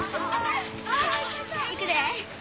よしいくで？